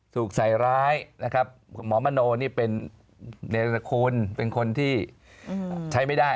ถูกใส่ร้ายนะครับหมอมโนนี่เป็นเนรสคุณเป็นคนที่ใช้ไม่ได้